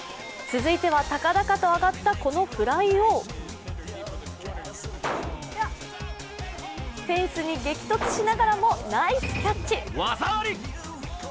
続いては高々と上がったこのフライをフェンスに激突しながらもナイスキャッチ。